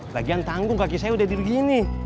lagian tanggung kaki saya udah diri gini